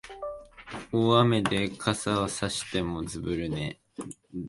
大雨で傘さしてもずぶ濡れ